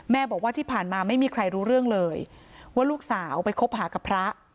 บอกว่าที่ผ่านมาไม่มีใครรู้เรื่องเลยว่าลูกสาวไปคบหากับพระ